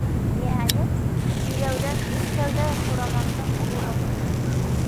Ниһайәт, иләүҙән иң тәүҙә Сурамандың оло башы күренде.